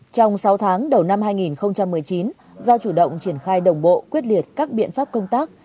trong sáu tháng đầu năm hai nghìn một mươi chín do chủ động triển khai đồng bộ quyết liệt các biện pháp công tác